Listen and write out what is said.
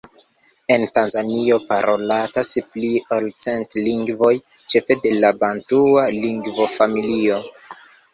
En Tanzanio parolatas pli ol cent lingvoj, ĉefe de la bantua lingvofamilio.